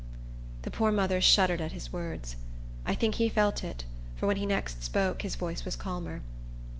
The poor mother shuddered at his words. I think he felt it; for when he next spoke, his voice was calmer.